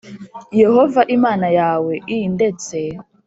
Yehova Imana yawe i ndetse